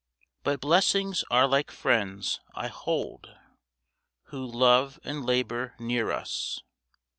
But blessings are like friends, I hold, Who love and labour near us.